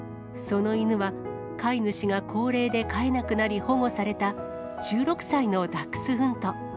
その犬は、飼い主が高齢で飼えなくなり、保護された、１６歳のダックスフント。